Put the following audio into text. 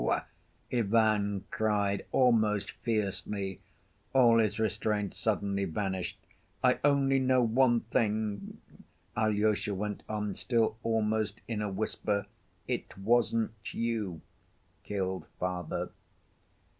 Ivan cried almost fiercely. All his restraint suddenly vanished. "I only know one thing," Alyosha went on, still almost in a whisper, "it wasn't you killed father."